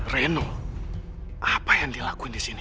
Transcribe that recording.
reno apa yang dilakuin di sini